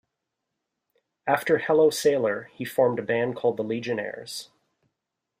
After Hello Sailor, he formed a band called the Legionnaires.